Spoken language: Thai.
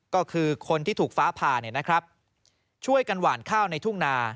ก็คือคนที่ถูกฟ้าผ่าเนี่ยนะครับช่วยกันหวานข้าวในทุ่งนา